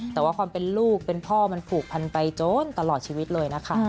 แต่ว่าความเป็นลูกเป็นพ่อมันผูกพันไปโจรตลอดชีวิตเลยนะคะ